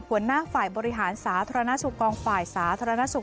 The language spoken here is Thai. หัวหน้าฝ่ายบริหารสาธารณสุขกองฝ่ายสาธารณสุข